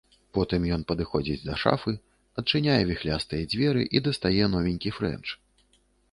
Потым ён падыходзіць да шафы, адчыняе віхлястыя дзверы і дастае новенькі фрэнч.